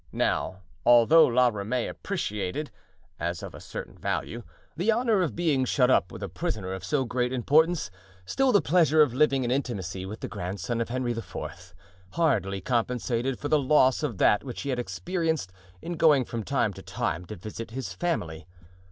Now, although La Ramee appreciated, as of a certain value, the honor of being shut up with a prisoner of so great importance, still the pleasure of living in intimacy with the grandson of Henry IV. hardly compensated for the loss of that which he had experienced in going from time to time to visit his family.